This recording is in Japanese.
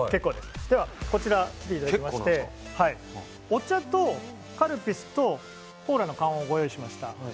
では、こちらに来ていただきまして、お茶とカルピスとコーラの缶をご用意しました。